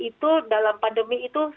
itu dalam pandemi itu